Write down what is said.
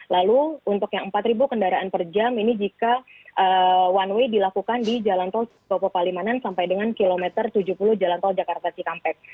lalu untuk yang empat kendaraan per jam ini jika one way dilakukan di jalan tol topo palimanan sampai dengan kilometer tujuh puluh jalan tol jakarta cikampek